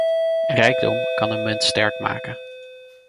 Rijkdom kan een munt sterk maken.